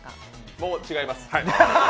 もう違います。